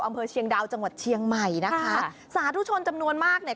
อำเภอเชียงดาวจังหวัดเชียงใหม่นะคะสาธุชนจำนวนมากเนี่ย